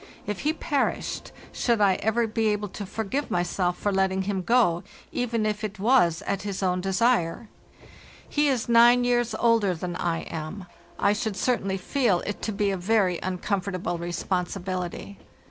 If he perished, should I ever be able to forgive myself for letting him go, even if it was at his own desire? He is nine years older than I am; I should certainly feel it ea i) FARTHEST NORTH to be a very uncomfortable responsibility.